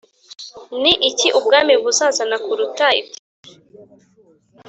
Ni ki Ubwami buzazana kuruta ibyaje